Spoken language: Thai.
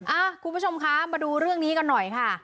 คุณผู้ชมคะมาดูเรื่องนี้กันหน่อยค่ะ